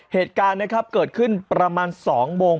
เหตุการณ์เกิดขึ้นประมาณ๒โมง